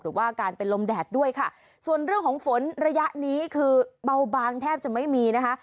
หรือว่าการเป็นลมแดดด้วยค่ะส่วนเรื่องของฝนระยะนี้คือเบาบางแทบจะไม่มีนะคะ